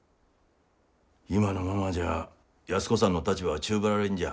今のままじゃあ安子さんの立場は宙ぶらりんじゃあ。